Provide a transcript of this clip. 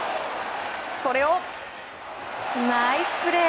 これを、ナイスプレー。